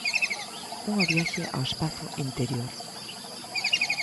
Unha viaxe ao espazo interior.